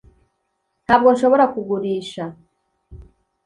ntabwo nshobora kukugurisha